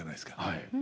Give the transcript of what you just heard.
はい。